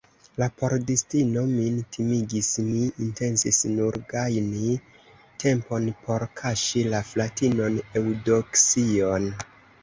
La pordistino min timigis, mi intencis nur gajni tempon, por kaŝi la fratinon Eŭdoksion.